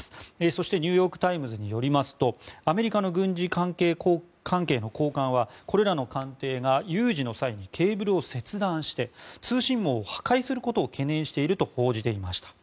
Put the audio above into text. そして、ニューヨーク・タイムズによりますとアメリカの軍事関係の高官はこれらの艦艇が有事の際にケーブルを切断して通信網を破壊することを懸念していると報じました。